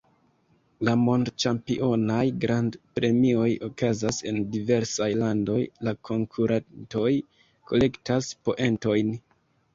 La mond-ĉampionaj grand-premioj okazas en diversaj landoj, la konkurantoj kolektas poentojn.